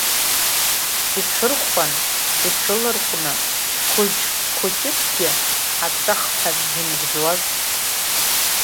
Иҽырхәан, иҽыларҟәны, Қәыџь хәыҷыкгьы аҵәахҳәа дзымгәыӡуаз…